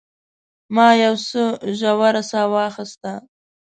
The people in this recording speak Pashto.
ما یو څه ژوره ساه واخیسته.